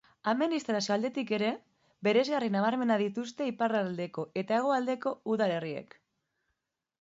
Administrazio aldetik ere bereizgarri nabarmenak dituzte iparraldeko eta hegoaldeko udalerriek.